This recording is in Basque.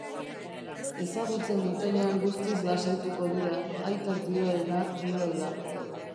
Ezagutzen dutenean guztiz lasaituko dira, aitak dioena dioela.